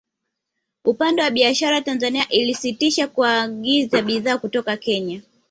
Upande wa biashara Tanzania ilisitisha kuagiza bidhaa kutoka Kenya